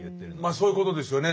まあそういうことですよね。